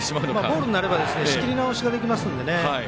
ボールになれば仕切り直しができますんでね。